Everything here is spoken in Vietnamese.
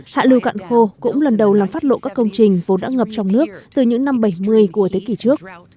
hạ lưu cạn khô cũng lần đầu làm phát lộ các công trình vốn đã ngập trong nước từ những năm bảy mươi của thế kỷ trước